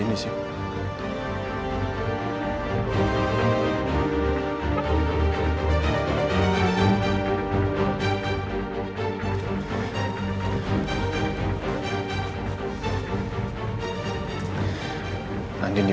aku kayaknya sekarang kamu kamploy deh